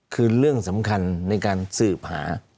คือเรื่องสำคัญในการสืบหา